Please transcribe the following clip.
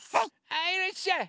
はいいらっしゃい！